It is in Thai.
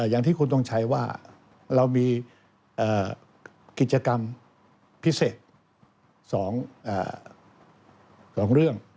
อย่างที่คุณทงชัยว่าเรามีกิจกรรมพิเศษ๒เรื่อง